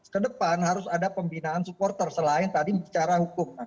kedepan harus ada pembinaan supporter selain tadi secara hukum